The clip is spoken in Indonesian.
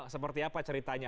seperti apa ceritanya